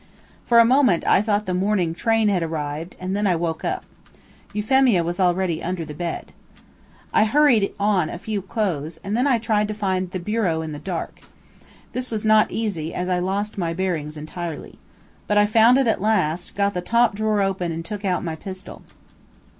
For a moment I thought the morning train had arrived, and then I woke up. Euphemia was already under the bed. I hurried on a few clothes, and then I tried to find the bureau in the dark. This was not easy, as I lost my bearings entirely. But I found it at last, got the top drawer open and took out my pistol.